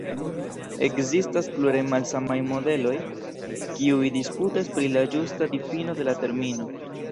Ekzistas pluraj malsamaj modeloj kiuj disputas pri la ĝusta difino de la termino.